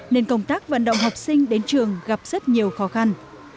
nên công tác vận động học sinh đến trường gặp rất nhiều khó khăn